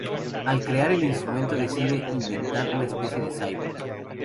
Al crear el instrumento decide inventar una especie de cyborg.